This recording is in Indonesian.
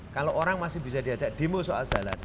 kalau orang masih bisa diajak demo soal jalan